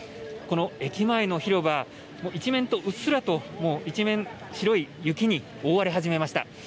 この駅前の広場、うっすらと一面、白い雪に覆われ始めました。